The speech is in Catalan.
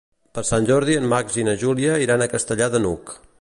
Per Sant Jordi en Max i na Júlia iran a Castellar de n'Hug.